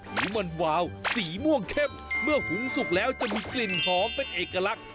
หรือมันวาวสีม่วงเข้มเมื่อหุงสุกแล้วจะมีกลิ่นหอมเป็นเอกลักษณ์